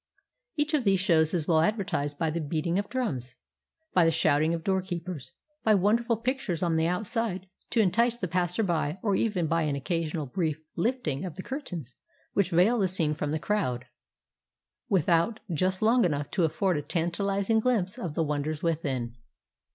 Each of these shows is well advertised by the beating of drums, by the shouting of doorkeepers, by wonderful pictures on the outside to entice the passer by, or even by an occasional brief lift ing of the curtains which veil the scene from the crowd without, just long enough to afford a tantalizing gHmpse of the wonders within.